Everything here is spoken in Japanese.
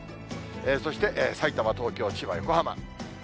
そしてさいたま、東京、千葉、横浜。